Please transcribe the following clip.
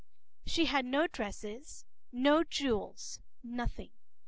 p>She had no dresses, no jewelry, nothing.